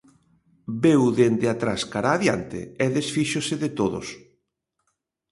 Veu dende atrás cara adiante e desfíxose de todos.